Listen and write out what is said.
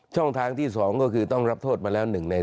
ช่องทางที่๒ก็คือต้องรับโทษมาแล้ว๑ใน